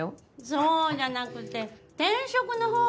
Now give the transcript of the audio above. そうじゃなくて転職のほうよ。